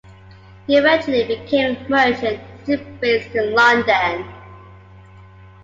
He eventually became a Merchant, still based in London.